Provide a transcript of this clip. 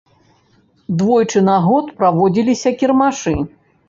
Двойчы на год праводзіліся кірмашы.